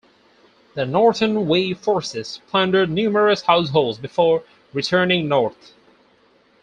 The Northern Wei forces plundered numerous households before returning north.